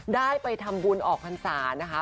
ได้ไปทำบุญออกพรรษานะคะ